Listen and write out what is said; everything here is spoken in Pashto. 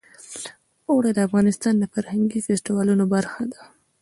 اوړي د افغانستان د فرهنګي فستیوالونو برخه ده.